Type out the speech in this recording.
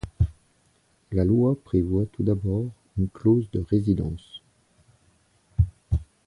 La loi prévoit tout d'abord une clause de résidence.